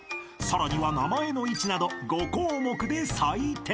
［さらには名前の位置など５項目で採点］